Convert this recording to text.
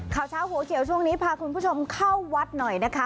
ข่าวเช้าหัวเขียวช่วงนี้พาคุณผู้ชมเข้าวัดหน่อยนะคะ